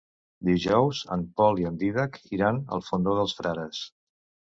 Dijous en Pol i en Dídac iran al Fondó dels Frares.